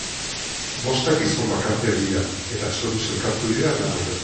Bostak gizon bakartiak dira, eta zoriz elkartu dira lan horretan.